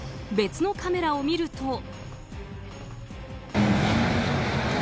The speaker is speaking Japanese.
別のカメラを見ると。